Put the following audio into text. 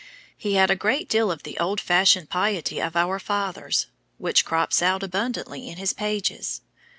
He had a great deal of the old fashioned piety of our fathers, which crops out abundantly in his pages.